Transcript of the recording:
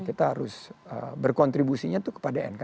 kita harus berkontribusinya itu kepada nk